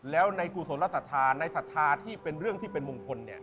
แล้วในกุสลสธาในสธาที่เป็นเรื่องที่เป็นมงคล